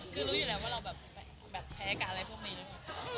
คือรู้อยู่แล้วว่าเราแพ้การอะไรพวกนี้หรือเปล่า